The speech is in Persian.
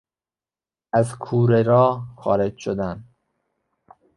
از کوره راه خارج شدن